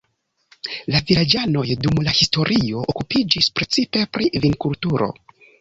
La vilaĝanoj dum la historio okupiĝis precipe pri vinkulturo.